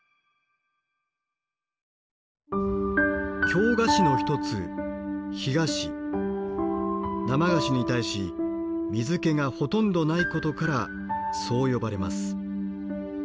京菓子の一つ生菓子に対し水けがほとんどないことからそう呼ばれます。